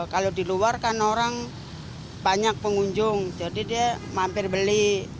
kalau di luar kan orang banyak pengunjung jadi dia mampir beli